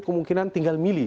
kemungkinan tinggal milih